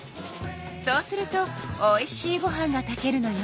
そうするとおいしいご飯が炊けるのよ。